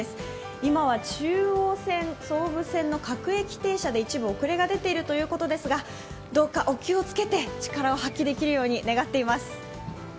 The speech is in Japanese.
今は中央線、総武線の各駅停車で一部遅れが出ているということですが、どうかお気をつけて力を発揮できるように願っています。